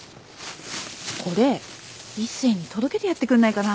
これ一星に届けてやってくれないかな？